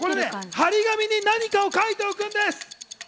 貼り紙に何か書いておくんです。